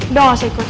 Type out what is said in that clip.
udah gak usah ikut